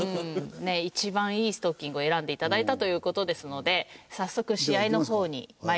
一番いいストッキングを選んでいただいたという事ですので早速試合の方にまいりましょうか。